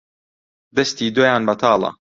دەستی دۆیان بەتاڵە